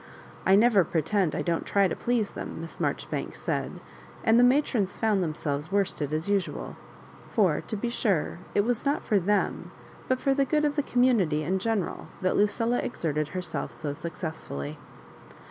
"I never pretend I don't try to please them," Miss Maijoribanks said ; and the matrons found them selves worsted as usual ; for, to be sure, it was not for Themy but for the good of the community in general, that Lucilla exerted herself so sucoess Ailly.